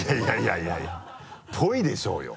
いやいや ぽいでしょうよ。